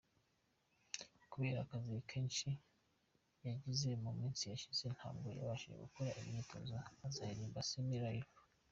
Kubera akazi kenshi yagize mu minsi yashize ntabwo yabashije gukora imyitozo, azaririmba semi-live”.